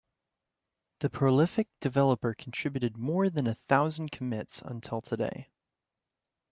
The prolific developer contributed more than a thousand commits until today.